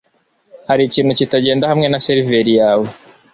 Hari ikintu kitagenda hamwe na seriveri yawe?